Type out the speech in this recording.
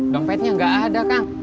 dompetnya ga ada kang